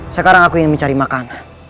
sekarang aku ingin mencari makan